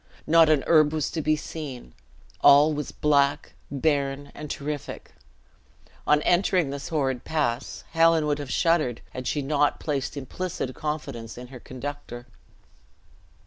Not an herb was to be seen; all was black, barren, and terrific. On entering this horrid pass, Helen would have shuddered, had she not placed implicit confidence in her conductor.